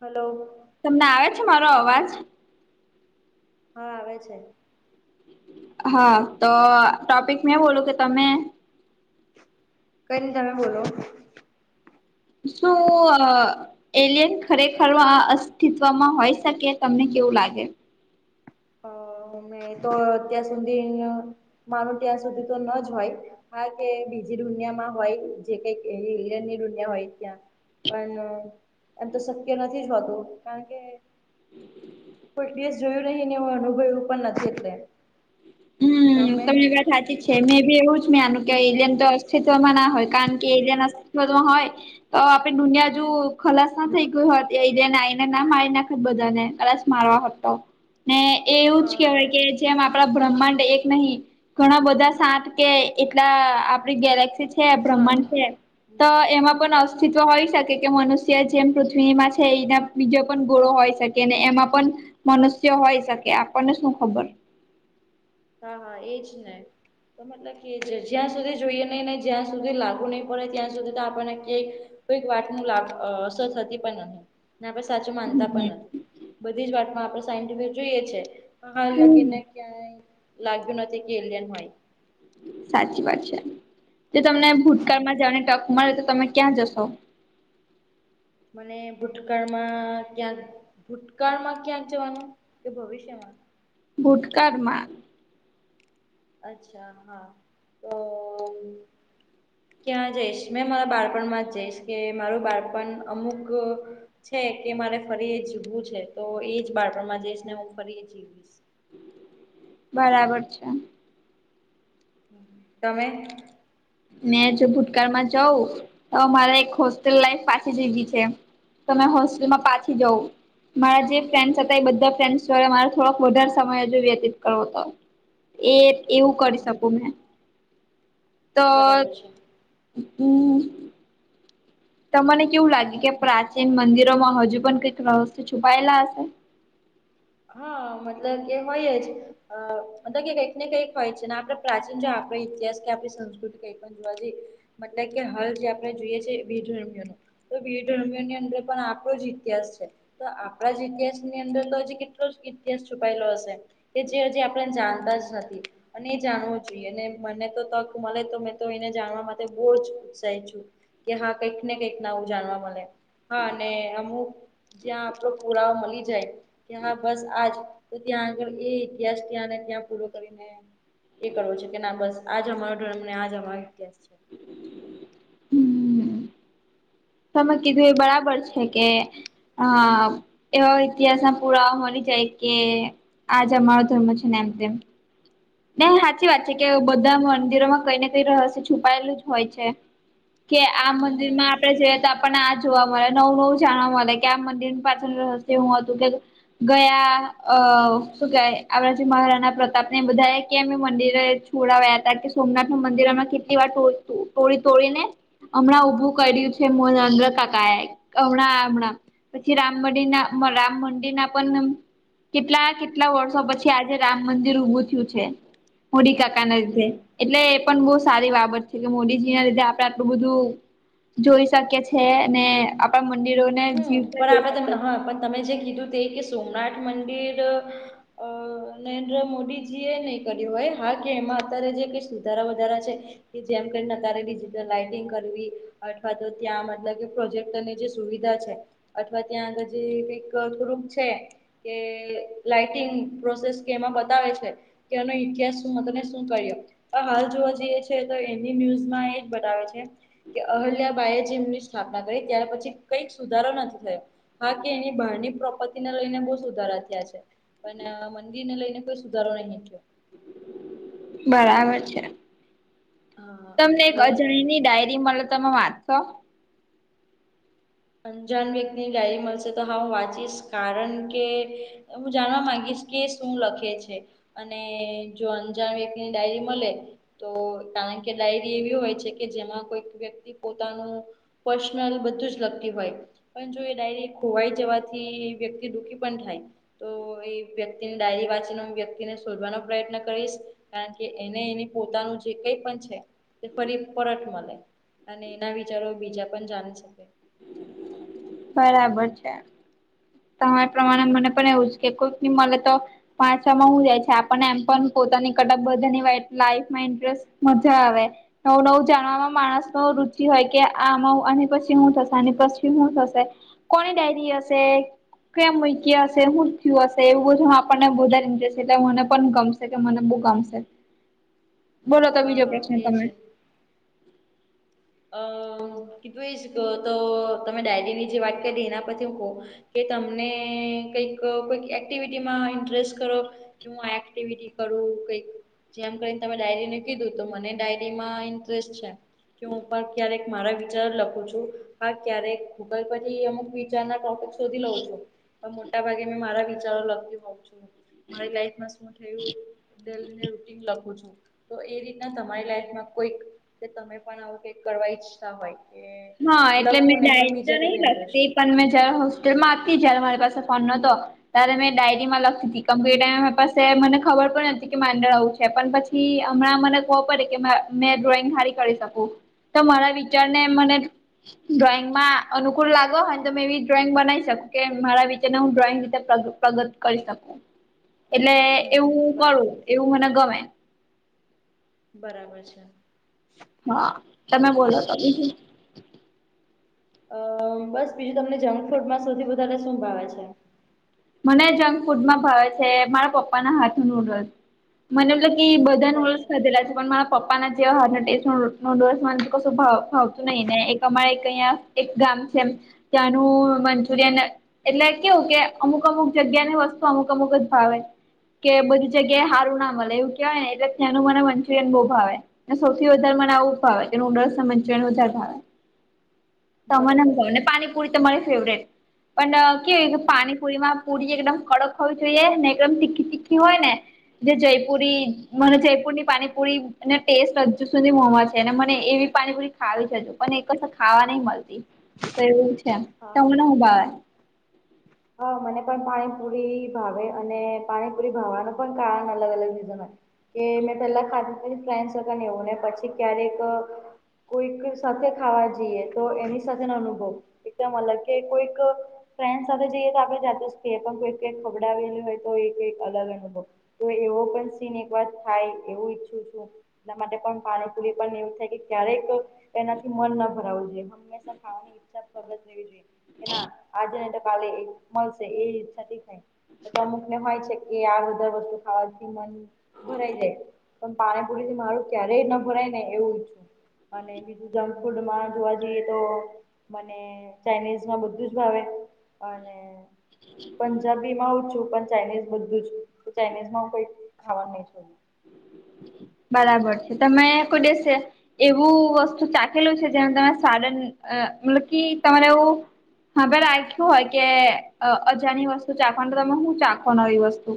Hello. તમને આવે છે મારો અવાજ. હા આવે છે. હા તો ટોપિક મેં બોલું કે તમે. કઈ નઇ તમે બોલો. શું અ. એલિયન ખરેખર અસ્તિત્વમાં હોય શકે તમને કેવું લાગે. અ હમે તો અત્યાર સુધી માનું ત્યાં સુધી તો ન જ હોય. હા કે બીજી દુનિયામાં હોય જે કઈ એલિયનની દુનિયા હોય ત્યાં હલો. એમ તો શક્ય નથી જ હોતું કારણ કે કોઈ દેશ જોયું નહી. કે અનુભય પણ નથી એટલે હમ્મ તમે તમારી વાત સાચી જ છે મે બી એવું જ મેં આનું કેમ મામાં ના હોય કારણ કે એ ના હોય તો આપે દુનિયા હજુ ખલાસ ના થઈ ગઈ હોય એને આને ના મારી નાખે બધાને ખલાસ મારવા ને એવું જ હા હા કેવાય કે જેમ આપડા બ્રહ્માંડ એક નહી ઘણા બધા સાત કે એટલા આપડી ગેલેક્સી છે સાત બ્રહ્માંડ છે તો હમ એમાં પણ અવ અસ્તિત્વ હોય શકે કે મનુષ્ય જેમ પૃથ્વીમાં છે એના બીજો પણ ગૂણો હોય શકે ને એમાં પણ મનુષ્ય હોય શકે આપણને શું ખબર હા હા એજ ને હમ્મ. અને જ્યાં સુધી જોઈએ નઈ ને જ્યાં સુધી લાગુ નઈં પડે ત્યાં સુધી તો આપણને કેક કોઈક વાત નુ લા ગ અસર થતી પણ નથી આપણે સાચું માનતા પણ હમ નથી બધી જ વાતમાં આપણે સાયન્ટિફ જોઈએ છે. હાલ હમ લગીને ક્યાંય લાગ્યું નથી કે એલિયન હોઈ. સાચી વાત છે જો તમને ભૂતકાળમાં જવાની તક મળે તો તમે ક્યાં જશો. મને ભૂતકાળમાં ક્યાં ભૂતકાળમાં ક્યાં જવાનું તે ભવિષ્યમાં ભૂતકાળમાં અચ્છા હા તો ક્યાં જઈશ મેં મારા બાળપણમાં જ જઈશ કે મારું બાળપણ અમુક અ છે કે મારે ફરી જીવવું છે તો એજ બાળપણમાં જઈશ ને હું ફરી જીવીશ. બરાબર છે તમે? મેં જો ભૂતકાળમાં જઉં તો મારે એક હોસ્ટેલ લાઈફ પાછી જીવી છે. તમે હોસ્ટેલમાં પાછી જઉ મારા જે ફ્રેન્ડસ હતા એ બધા ફ્રેન્ડસ દ્વારા મારે થોડોક વધારે સમય હજુ વ્યતીત કરવો હતો એ એવું કરી હમ, શકું મેં તો હું બરાબર છે તમને કેવું લાગે કે પ્રાચીન મંદિરો માં હજુ પણ કઈક રહસયો છુપાયેલા હશે હા મતલબ એ હોય જ અ મતલબ કે કંઈક ને કંઈક હોય છે ને આપે પ્રાચીન જો આપણી ઇતિહાસ કે આપણી સંસ્કૃતિ કઈ પણ જોવા જઈએ મતલબ કે હાલ જે આપણે જોઈએ છે [unintelligible] તો બી ધર્મીની અંદર પણ આપણો જ ઇતિહાસ છે તો આપણા જ ઇતિહાસ ની અંદર તો હજી કે નો જ ઇતિહાસ છુપાયેલો હશે કે જે હજી આપણે જાણતા જ નથી. અને એ જાણવું જોઈએ અને મને તો તક મળે તો મેં તો એને જાણવા માટે બહુ જ ઉત્સાહિ છું કે હા કઈક ને કંઈક ના આવું જાણવા મળે હા અને અમુક જ્યાં આપડો પુરાઓ મળી જાય ત્યાં બસ આજ તો ત્યાં આગળ એ ઇતિહાસ ત્યાંને ત્યાં પૂરો કરીને એ કરવો છે કે ના બસ આ જ અમારો ઓ અમને આ જ અમાસ છે હમ તમે કીધું એ બરાબર છે કે હા એવા ઇતિહાસમાં પૂરાવા મળી જાય કે આજ અમારો ધર્મ છે ને એમ તેમ નહ સાચી વાત છે કે બધા મંદિરોમાં કઈ ને કઈ રહસ્ય છુપાયેલું જ હોય છે. કે આ હમ મંદિર હમ માં આપડે જે આપણને આ જોવા મળે નવું નવું જાણવા મળે કે આ મંદિરની પાછળ રહસ્ય હું હતું કે ગયા અ શું કેવાય આપડા આ મહારાના પ્રતાપ ને બધા એક કેમ એ મંદિરે છોડાવ્યા હતા કે સોમનાથ નુ મંદિર અમે કેટલી વાર તોળી તોડીને હમણાં ઉભું કર્યું છે મો નરેન્દ્ર કાકા એ હમણાં હમણાં. પછી રામ મંદિર ના રામ મંદિ ના પણ. કેટલા કેટલા વર્ષો પછી આજે રામ મંદિર ઊભું થયું છે મોડી કાકાના લીધે. એટલે એ પણ બહુ સારી બાબત છે કે મોદીજી ના લીધે આપડે આટલું બધું. જોઈ શકે છે ને આપણા મંદિરોને હમ જીવતા પણ જોઈ આપણે શકે. તમે હા પણ તમે જે કીધું તે કે સોમનાથ મંદિર. અ નરેન્દ્ર મોદીજી એ નહી કર્યું હોય હા કે એમાં અત્યારે જે કઈ સુધારા વધારા છે. કે જેમ કે નકારે ડિજિટલ લાઈટિંગ કરવી અથવા તો ત્યાં મતલબ કે પ્રોજેક્ટની જે સુવિધ. છે અથવા ત્યાં જે કઈક થોડુંક છે. કે લાઈટિંગ પ્રોસેસ કેમાં બતાવે છે. કે એનો ઇતિહાસ શું મને તમે શું કહિ. હાલ જોવા જઈએ છે તો એની ન્યુઝમાં એજ બતાવે છે. કે અહલ્યાબાય જેમની સ્થાપના કરી ત્યાર પછી. કંઈક સુધારો નથી થયો બાકી એની બહારની પ્રોપર્ટીને લઈને બહુ સુધારા થયા છે. પણ મંદિર ને લઈને કોઈ સુધારો નહી થયો. બરાબર છે હા તમને એક એટલે અજાણીની ડાયરી મળે તમે વાત. તો. અંજાન વ્યક્તિની ડાયરી મળશે તો હા હું વાંચીશ કારણ કે. હું જાણવા માંગીશ કે એ શું લખે છે. અને જો અજાણ વ્યક્તિની ડાયરી મળે. તો કારણ કે ડાયરી એવી હોય છે કે જેમાં કોઈક વ્યક્તિ પોતાનું. પર્સનલ બધું જ લખ. હોય પણ જો એ ડાયરી ખોવાઈ જવાથી વ્યક્તિ દુઃખી પણ થાય. તો એ વ્યક્તિની ડાયરી વાંચીને હું વ્યક્તિને શોધવાનો પ્રયત્ન કરીશ. કારણ કે એને એ પોતાનું જે કઈ પણ છે એ ફરી પરત મળે. અને એના વિચારો બીજા પણ જાણી શકે. બરાબર છે તમારી હમ પ્રમાણે હમ મને પણ એવું જ કે કોઈક મળે તો. પાછામાં હું જાય છે આપને એમ પણ પોતાની કટક બધાની વા લાઈફમાં ઇન્ટરેસ્ટ. મજા આવે. નવું નવું જાણવાવામાં માણસ નો રુચિ હોય કે આમાં અને પછી શું થશે અને પછી શું થશે. કોની ડાયરી હશે. ક્યાં મુક્યી હશે હૂ થ્યું હશે એવું બધું આપણને બધાશે એટલે મને પણ ગમશે. કે મને બુ ગમશે. [inaudible] બોલો તો હા બીજો પ્રશ્ન હા એજ તમે. અ કીધું એ જ ક તો તમે ડાયરી ની જે વાત કરી એના પરથી હું કહું. કે તમને કઈક કોઈક એક્ટિવિટીમાં ઇન્ટરેસ્ટ ખરો. કે હું આ એક્ટિવિટી કરું કઈક. જેમ કરીને તમે ડાયરીને કીધું મને ડાયરી માં ઇન્ટરેસ્ટ છે. કે હું પણ ક્યારેક મારા વિચાર લખું છું હા ક્યારેક ગૂગલ પરથી અમુક વિચારના ટોપિક. શોધી લઉં છું પર મોટા ભાગે મેં મારા વિચારો લખતી હોઉં છું. મારી લાઈફમાં શું થયું ડેલી એ રૂટિન લખું છું. તો એ રીતના તમારી લાઈફમાં કોઈક તમે પણ આવું કઈક કરવા ઈચ્છતા હોય. કે હા એટલે લખવું મેં નહી પણ ડાયરી તો બીજા કઈક નહીં લખતી. ઇન્ટરેસ્ટ પણ મે જયારે હોસ્પિલમાં હતી જય્યારે મારી પાસે ફોન નતો. તારે મેં ડાયરી માં લખી હતી કમ્પ્યુટર પાસે મને ખબર પણ નથી કે માંડણ આવું છે પણ પછી. થી હમણાં મને ખહવો પડે કે મે ડ્રોઈંગ સારી કરી શકું. તો મારા વિચાર ને મને. ડ્રોઈંગમાં અનુકૂળ લાગો હોય ને તમે એવી ડ્રોઈંગ બનાવી શકુ કે મારા વિચે હું ડ્રોઈંગ રિજેક્ટ કરી શકું. પ્રગત કરી શકું. [inaudible] એટલે હમ હમ એવું કરું બરાબર એવું મને ગમે. બરાબર છે. હા તમે બોલો તો બીજું. અ બસ બીજું તમને જંક ફૂડમાં સૌથી વધારે શું ભાવે છે? મને જંક ફૂડમાં ભાવે છે મારા પપ્પાના હાથ નો નૂડલ્સ [inaudible] કે બધા ઓ બરાબર ખાધેલા છે પણ મ પપ્પાના જેવા હાથ ટેસ્ટ નુડલ્સ સ મને કશું ભાવતું નહી ને એક અમારે અહીંયા એક ગામ છે ત્યાંનું મંચુરિયન એટલે કેવું કે અમુક અમુક જગ્યા ની વસ્તુ અમુક અમુક જ ભાવે. કે બધી જગ્યાએ સારું ના મળે એવું કેવાય ને એટલે ત્યાંનું મને મંચુરિયન બહુ ભાવે. સૌથી વધારે મને આવું ભાવે એ નુડલ્સ મન્ચુરીયન વધારે ભાવે. [inaudible] [inaudible] બરાબર છે ને પાણીપુરી તમારી ફેવરેટ પણ કેવી કે હમ પાણી પુરી એકદમ કડક હોવી જોઈએ ને એકદમ તીખી તીખી હોય ને જે જયપુરી મને જયપુર ની પાણીપુરી એ ટેસ્ટ હજુ સુધી મોમાં છે અને મને એવી પાણીપુરી ખાવી છે હજુ પણ એક કસે ખાવા નહીં મળે [inaudible] તો એવું છે હા તમને હા હું ભાવે? [inaudible] હા મને પણ પાણીપુરી ભાવે અને પાણીપુરી ભાવવાનું પણ કારણ અલગ અલગ રીઝન હોય. કે મેં પેલા ખાધી [inaudible] એવું ને પછી ક્યારેક કોઈકની સાથે ખાવા જઈએ તો એની સાથેનો અનુભવ એકદમ અલગ કે કોઈક ફ્રેન્ડ સાથે જઈએ તો આપડે જાતે જ ખઈએકે પણ કોઈક કઈક ખવડાવેલી હોય તો એઈ અલગ અનુભવ તો એવો પણ સીન એક વાત થાય એવું ઈચ્છું છું. એના માટે પણ પાણીપુરી પણ એવું થાય કે ક્યારેક એનાથી મન ના ભરાવવું જોઈએ હંમેશા ખાવાની ઈચ્છા જોઈએ કે ના આજે નહી તો કાલે એ મળશે એવી ઈચ્છા બી થાય. અમુક ને હોય છે કે આ બધા વસ્તુ ખાવાથી મન ભરાઈ જાય પણ પાણીપુરી થી મારું ક્યારેય ન ભરાય ને એવું ઈચ્છું અને બીજુ જંક ફૂડમાં જોવા જઈએ તો મને ચાાઈનીઝ માં બધું જ ભાવે અને પંજાબી માં ઓછુ પણ ચાઇનીઝ બધું જ ચાઇનીઝ માં હું કઈ ખાવાનું નહી છોડતી. બરાબર છે તમે કોઈ દિવસે એવું વસ્તુ ચાખેલું છે જેમાં તમે સાડન મતલબ કે તમારે એવુ રાખ્યું હોય કે અજાની વસ્તુ ચાખવાનું તમે શું ચાખો નવી વસ્તુ?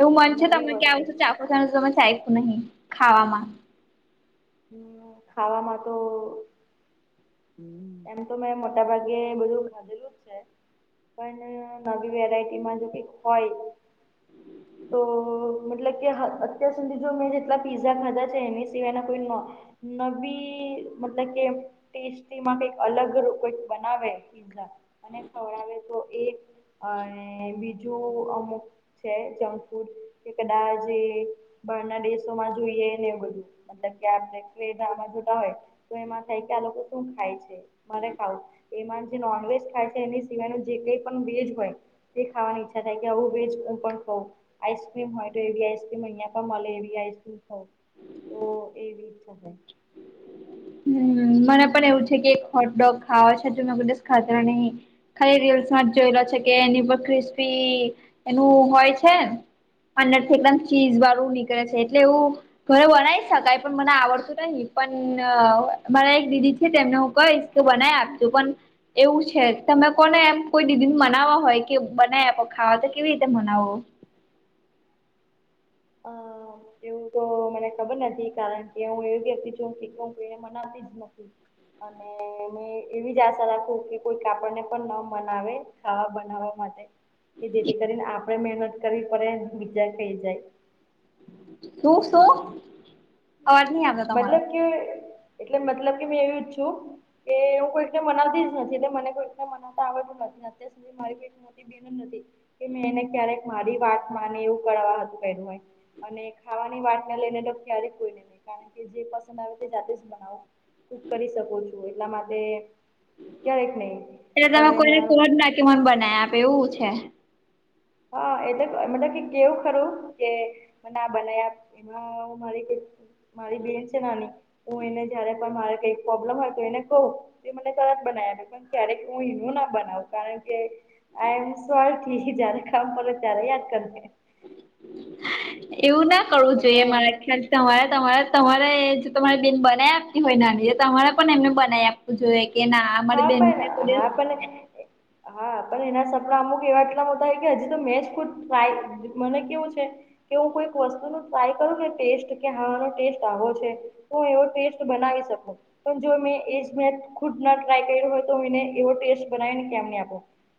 એવુ મન છે નવી તમને કે વસ્તુ આવું ચાખવું છે પણ ચાખ્યુ નહીં ખાવામાં? ખાવામાં તો એમ તો મે મોટાભાગે બધું ખાધેલુ જ છે. પણ નવી વેરાયટીમાં જો કઈક હોય તો મતલબ કે અત્યાર સુધી જો મે જેટલા પિઝ્ઝા ખાધા છે એની સિવાયના કોઈ નવી મતલબ કે ટેસ્ટીમાં કઈક અલગ કઈક બનાવે પિઝ્ઝા અને ખવડાવે તો એ અને બીજુ અમુક છે જંક ફૂડ કે કદાચ બહારના દેશોમાં જોઈએ ને એ બધુ. મતલબ કે એમાં જોતા હોય તો એમાં થાય કે આ લોકો શું ખાય છે? મારે ખાવું એમાં જે નોન વેજ ખાય છે એની સિવાયનું જે કઈ પણ વેજ હોય એ ખાવાની ઈચ્છા થાય કે આવુ વેજ હું પણ ખઉં. આઈસક્રીમ હોય તો એવી આઈસ્ક્રીમ અહિયાં પણ મળે એવી આઈસક્રીમ હોય. તો એવી ઇચ્છા છે. હા મને પણ એવુ છે કે એક હોટડોગ ખાવા છે જે મે કોઈ દિવસ ખાધો નહી. ખાલી રીલ્સમાં જ જોયલો છે કે નિ ક્રિસ્પી એનું હોય છે અંદરથી એકદમ ચીઝ વાળુ નીકળે છે એટલે એવું ઘરે બનાવી શકાય પણ મને આવડતું નહી પણ મારા એક દીદી છે તેમને હું કહીશ કે બનાવી આપજો પણ એવું છે તમે કોને એમ કોઈ દીદી ને મનાવવા હોય કે બનાવી આપો ખાવા તો કેવી રીતે મનાવો? આ એવું તો મને ખબર નથી કારણ કે હું એવી વ્યક્તિ છુ કે શીખવા માટે કોઈને મનાતી જ નથી. અને મે એવી જ આશા રાખુ કે કોઈક આપડને પણ ન મનાવે ખાવા બનાવવા માટે કે જેથી કરીને આપડે મહેનત કરીવી પડે બીજા કઈ જાય. શુ શુ? મતલબ કે એટલે મતલબ એવી જ છુ. એ હું કોઈકને મનાવતી જ નથી એટલે મને કોઈકને મનાવતા આવડતું નથી અત્યાર સુધી મારી બેન જ નથી કે મે એને ક્યારેક મારી વાત માને એવુ કરવા કહયુ હોય. અને ખાવાની વાતને લઈને તો ક્યારે કારણ કે જે પસંદ આવે તે જાતે જ બનાવો કુક કરી શકો છો એટલા માટે ક્યારેય નહીં. એટલે તમે કોઈને કોજ નહીં કે મને બનાવી આપે એવું છે? હા એ તો મતલબ કે એવુ ખરું કે મને આ બનાવી આપ એમાં મારી બેન છે નાની હું એને જયારે પણ મારે કઈક પ્રોબ્લેમ હોય તો એને કહું તો મને તરત બનાવી આપે ક્યારેક હું એનું ના બનાવ કારણ કે આઈ એમ કામ પડે ત્યારે યાદ કરીએ. એવું ના કરવું જોઈએ મારા ખ્યાલ તમારે તમારે તમારે જો તમારે બેન બનાવી આપતી હોય નાની તમારે પણ એમને બનાવી આપતી જોએ કે ના અમારી હા બેનને પણ કોઈ હા દિવસ પણ હા પણ એના સપના અમુક એવા એટલા મોટા હોય કે હજી તો મેચ ખુદ ટાય મને કેવું છે કે હું કોઈક વસ્તુનું ટ્રાય કરું ને ટેસ્ટ કે હાનો ટેસ્ટ આવો છે. તો એવો ટેસ્ટ બનાવી શકું પણ જો મેં એજ મે ખુ ટ્રાય કર્યો હોય તો એને એવો ટેસ્ટ બનાવી ને કેમને આપો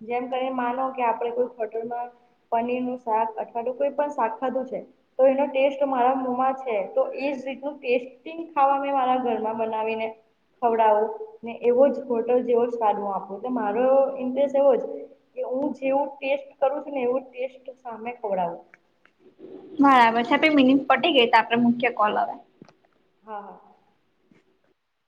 જેમ કરી માનો કે આપડણે કોઈક હોટલમાં પનીરનું શાક અઠવાડિયું કોઈ પણ શાક ખાધું છે. તો એનો ટેસ્ટ મારા મોમાં છે તો એજ રીતનું ટેસ્ટ ખાવા મારા ઘરમાં બનાવીને ખવડાવું ને એવો જ હોટલ જેવો જ સ્વાદ હું આપું તો મારો ઇન્ટરેસ્ટ એવો જ કે હું જેવું ટેસ્ટ કરું છું ને એવું ટેસ્ટ સામે ખવડાવું બરાબર છે આપડી મિનિટ પતી ગઈ તો આપડે મૂકીએ કોલ હવે હા હા.